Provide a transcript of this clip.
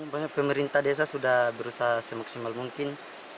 pemerintah desa sudah berusaha semaksimal mungkin